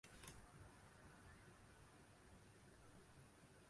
yolg‘on hayot mohiyatiga va mavjudligiga xavf tug‘ila boshlaydi.